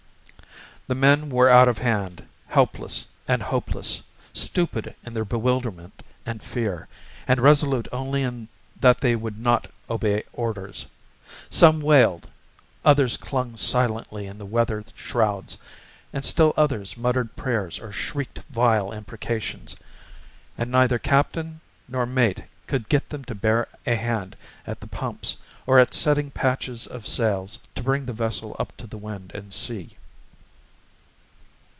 The men were out of hand, helpless and hopeless, stupid in their bewilderment and fear, and resolute only in that they would not obey orders. Some wailed, others clung silently in the weather shrouds, and still others muttered prayers or shrieked vile imprecations; and neither captain nor mate could get them to bear a hand at the pumps or at setting patches of sails to bring the vessel up to the wind and sea.